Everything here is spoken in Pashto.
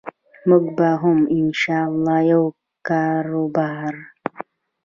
موږ به هم إن شاء الله یو کاربار